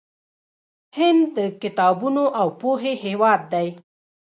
هند د کتابونو او پوهې هیواد دی.